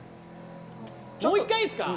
もう１回いいですか？